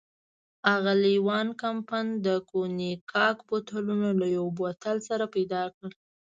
اغلې وان کمپن د کونیګاک بوتلونه له یو بل بوتل سره پيدا کړل.